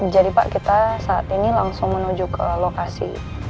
jadi pak kita saat ini langsung menuju ke lokasi